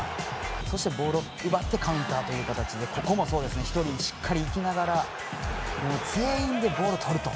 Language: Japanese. そして、ボールを奪ってカウンターという形で１人しっかりいきながら全員でボールをとると。